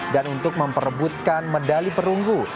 dan untuk memperebutkan medali perunggu